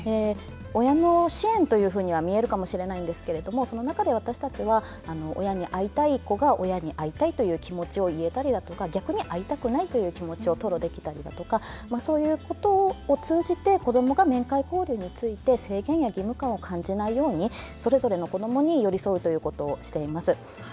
親の支援というふうには見えるかもしれないんですけどもその中で私たちは親に会いたい子が親に会いたいという気持ちを言えたりだとか逆に会いたくないという気持ちを吐露できたりだとかそういうことを通じて子どもが面会交流について制限や義務感を感じないようにそれぞれの子どもに寄り添うことをしています。